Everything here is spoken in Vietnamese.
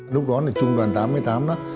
lúc đó là trung đoàn tám mươi tám